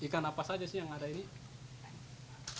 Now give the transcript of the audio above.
ikan apa saja sih yang ada ini